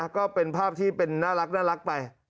ก็เป็นภาพที่เป็นน่ารักไป